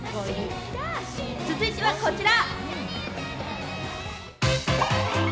続いてはこちら。